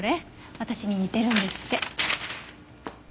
私に似てるんですって。